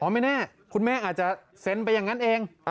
ไม่แน่คุณแม่อาจจะเซ็นไปอย่างนั้นเอง